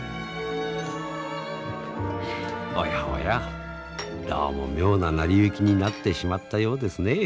おやおやどうも妙な成り行きになってしまったようですね。